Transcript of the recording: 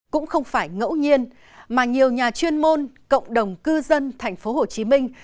cũng không phải ngẫu nhiên mà nhiều nhà chuyên môn cộng đồng cư dân thành phố hồ chí minh